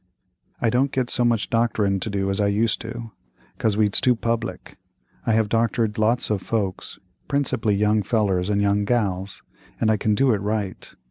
"I don't get so much doctorin' to do as I used to, 'cause we's too public. I have doctored lots of folks, principally young fellers and young gals, and I can do it right.